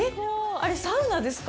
あれ、サウナですか？